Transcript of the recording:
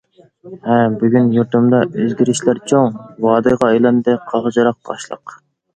ھە، بۈگۈن يۇرتۇمدا ئۆزگىرىشلەر چوڭ، ۋادىغا ئايلاندى قاغجىراق تاشلىق.